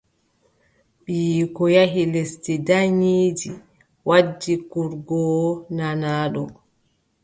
Ɓiyiiko yahi lesdi daayiindi waddi kurgoowo nanaaɗo.